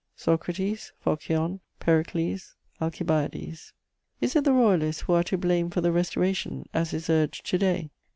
Socrates, Phocion, Pericles, Alcibiades. * Is it the Royalists who are "to blame for the Restoration," as is urged to day?